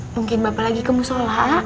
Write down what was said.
mungkin bapak lagi kemusola